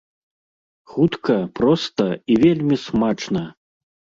Хутка, проста і вельмі смачна!